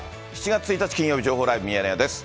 ７月１日金曜日、情報ライブミヤネ屋です。